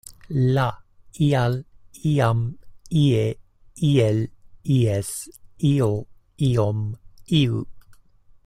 Ia, ial, iam, ie, iel, ies, io, iom, iu.